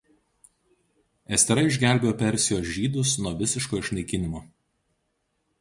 Estera išgelbėjo Persijos žydus nuo visiško išnaikinimo.